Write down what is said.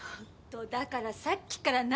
だからさっきから何で私に